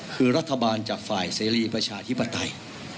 คือรัฐบาลจากฝ่ายเสรีประชาธิปไตย